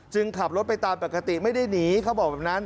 ขับรถไปตามปกติไม่ได้หนีเขาบอกแบบนั้น